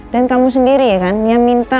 dan kamu sendiri ya kan yang minta